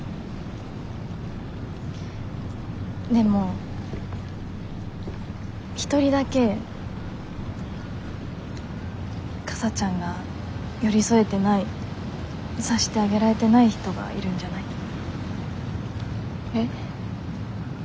でも一人だけかさちゃんが寄り添えてない察してあげられてない人がいるんじゃない？え？